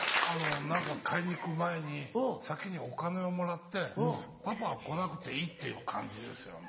何か買いに行く前に先にお金をもらってパパは来なくていいっていう感じですよね。